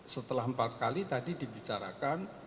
setelah empat kali tadi dibicarakan